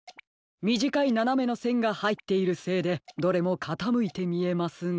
みじかいななめのせんがはいっているせいでどれもかたむいてみえますが。